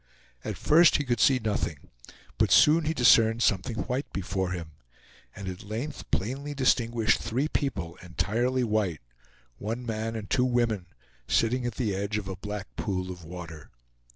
At first he could see nothing, but soon he discerned something white before him, and at length plainly distinguished three people, entirely white; one man and two women, sitting at the edge of a black pool of water.